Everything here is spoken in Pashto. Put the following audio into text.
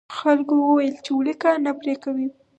خلکو وویل چې ولې کار نه پرې کوې.